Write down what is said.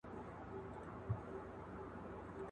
طاهر امین تعجب